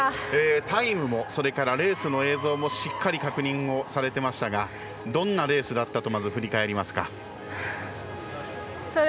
タイムもレースの映像もしっかり確認されてましたがどんなレースだったと振り返りますか？